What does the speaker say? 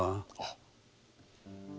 あっ。